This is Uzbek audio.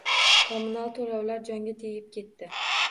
Kommunal toʻlovlar jonga tegib ketdi.